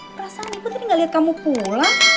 perasaan ibu tadi gak liat kamu pulang